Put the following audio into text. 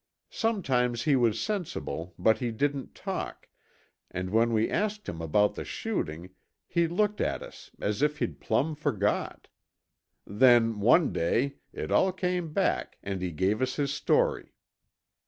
Sometimes he was sensible, but he didn't talk, and when we asked him about the shooting he looked at us as if he'd plumb forgot. Then, one day, it all came back and he gave us his story."